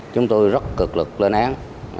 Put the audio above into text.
chúng tôi rất cực lực lên án